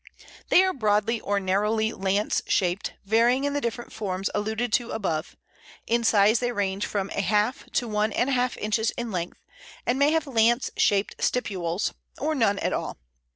They are broadly or narrowly lance shaped, varying in the different forms alluded to above; in size they range from a half to one and a half inches in length, and may have lance shaped stipules, or none at all.